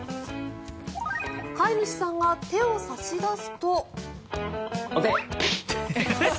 飼い主さんが手を差し出すと。